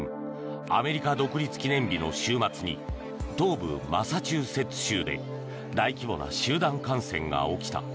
アメリカ独立記念日の週末に東部マサチューセッツ州で大規模な集団感染が起きた。